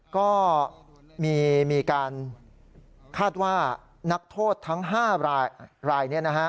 ก็มีการคาดว่านักโทษทั้ง๕ราย